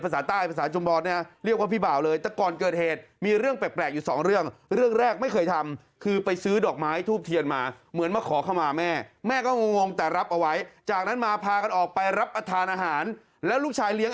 ภาษาใต้ภาษาจุมบรณ์เรียกว่าพี่บ่าวเลย